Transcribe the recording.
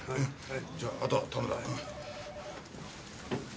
じゃああとは頼んだ。